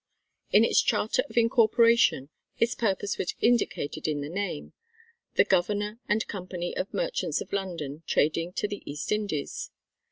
In its Charter of Incorporation its purpose was indicated in the name: "The Governor and Company of Merchants of London trading to the East Indies."